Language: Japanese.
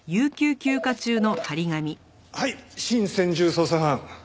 はい新専従捜査班。